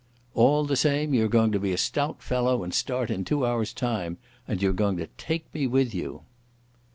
"All the same you're going to be a stout fellow and start in two hours' time. And you're going to take me with you."